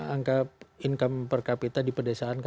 angka income per kapita di pedesaan